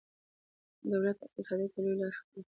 دولت په اقتصاد کې لوی لاس لري.